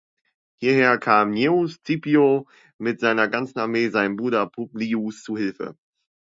Hierher kam Gnaeus Scipio mit seiner ganzen Armee seinem Bruder Publius zu Hilfe.